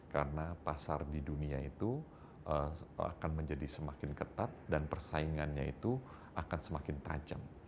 karena pasar di dunia itu akan menjadi semakin ketat dan persaingannya itu akan semakin tajam